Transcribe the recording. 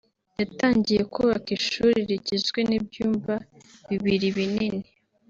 yatangiye kubaka ishuri rigizwe n'ibyumba bibiri binini